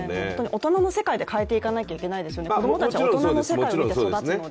大人の世界で変えていかないといけないですよね、子供は大人を見て育つので。